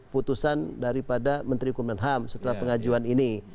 putusan daripada menteri hukuman ham setelah pengajuan ini